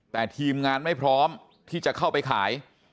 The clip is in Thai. แต่ทีมงานไม่พร้อมที่จะเข้าไปขาย